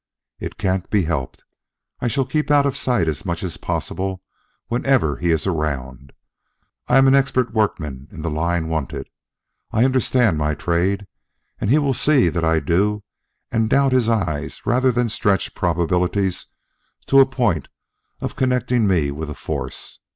"It can't be helped, I shall keep out of sight as much as possible whenever he is around. I am an expert workman in the line wanted. I understand my trade, and he will see that I do and doubt his eyes rather than stretch probabilities to the point of connecting me with the Force.